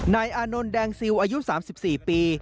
อานนท์แดงซิลอายุ๓๔ปี